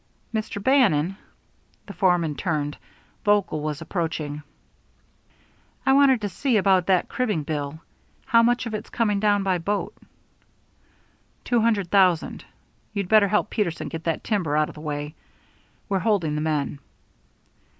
"Mr. Bannon." The foreman turned; Vogel was approaching. "I wanted to see about that cribbing bill. How much of it's coming down by boat?" "Two hundred thousand. You'd better help Peterson get that timber out of the way. We're holding the men."